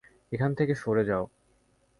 এখান থেকে সরে যাও!